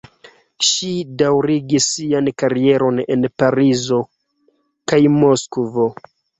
Ŝi daŭrigis sian karieron en Parizo kaj Moskvo.